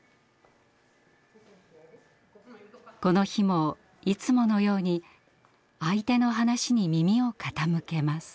この日もいつものように相手の話に耳を傾けます。